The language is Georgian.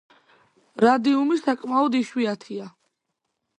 რადიუმი საკმაოდ იშვიათია.